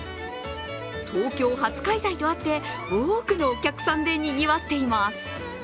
東京初開催とあって多くのお客さんでにぎわっています。